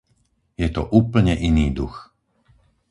Je to úplne iný duch.